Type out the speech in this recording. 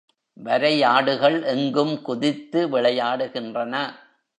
வரையாடுகள் எங்கும் குதித்து விளையாடுகின்றன.